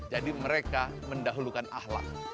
jadi mereka mendahulukan ahlak